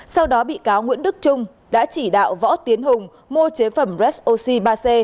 sau đó bị cáo nguyễn đức trung đã chỉ đạo võ tiến hùng mua chế phẩm resoc ba c